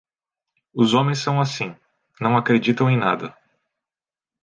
Os homens são assim, não acreditam em nada.